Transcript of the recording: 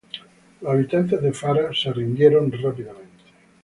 Los habitantes de Fara se rindieron rápidamente.